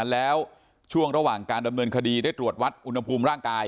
แล้วช่วงระหว่างการดำเนินคดีได้ตรวจวัดอุณหภูมิร่างกาย